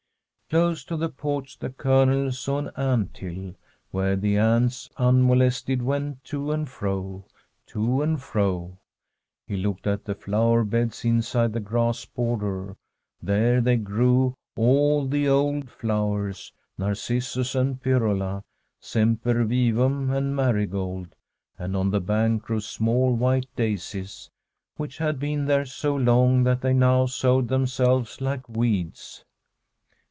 Close to the porch the Colonel saw an ant hill, where the ants, unmolested, went to and fro — ^to and fro. He looked at the flower beds inside the grass border. There they grew, all the old flowers : narcissus and pyrola, sempervivum and marigold; and on the bank grew small white daisies, which had been there so long that they now sowed themselves like weeds.